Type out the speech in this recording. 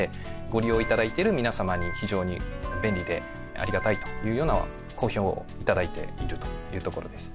ご利用頂いている皆様に非常に便利でありがたいというような好評を頂いているというところです。